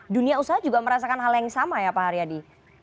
dunia usaha juga merasakan hal yang sama ya pak haryadi